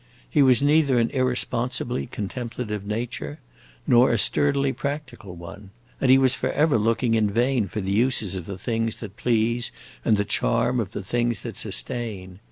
He was neither an irresponsibly contemplative nature nor a sturdily practical one, and he was forever looking in vain for the uses of the things that please and the charm of the things that sustain.